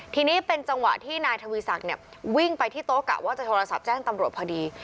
ทีนี้เป็นจังหวะที่นายทวีศักดิ์วิ่งไปที่โต๊ะกะว่าจะโทรศัพท์แจ้งตำรวจพอดี